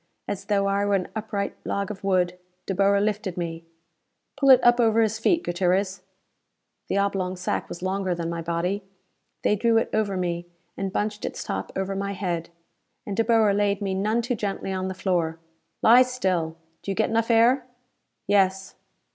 As though I were an upright log of wood, De Boer lifted me. "Pull it up over his feet, Gutierrez." The oblong sack was longer than my body. They drew it over me, and bunched its top over my head. And De Boer laid me none too gently on the floor. "Lie still. Do you get enough air?" "Yes."